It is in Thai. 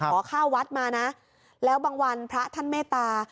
ขอข้าววัดมานะแล้วบางวันพระท่านเมตตา